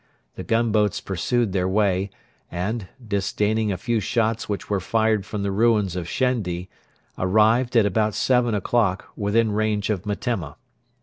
The gunboats pursued their way, and, disdaining a few shots which were fired from the ruins of Shendi, arrived, at about seven o'clock, within range of Metemma.